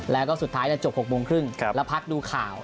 แล้วก็สุดท้ายจบ๖โมงครึ่งแล้วพักดูข่าว